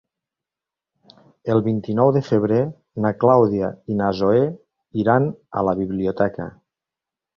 El vint-i-nou de febrer na Clàudia i na Zoè iran a la biblioteca.